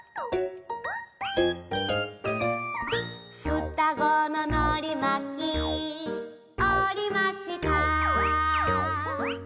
「双子ののりまきおりました」